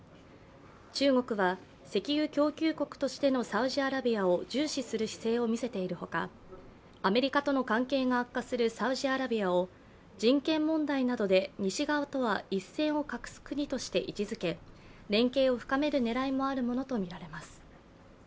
中国は石油供給国としてのサウジアラビアを重視する姿勢を見せているほかアメリカとの関係が悪化するサウジアラビアを人権問題などで西側とは一線を画す国として位置づけ連携を深める狙いもあるものとみられます。